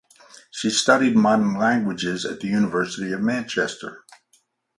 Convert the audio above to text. She studied modern languages at the University of Manchester.